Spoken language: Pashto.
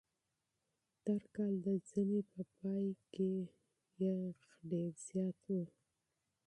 تېر کال د ژمي په وروستۍ برخه کې یخنۍ ډېره وه.